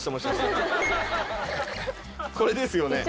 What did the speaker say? これですよね？